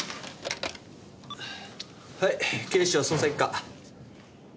はい警視庁捜査一課。